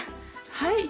はい。